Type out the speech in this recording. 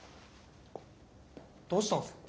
どうしたんすか？